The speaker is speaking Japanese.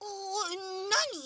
なに？